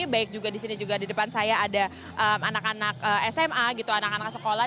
baik juga di sini juga di depan saya ada anak anak sma anak anak sekolah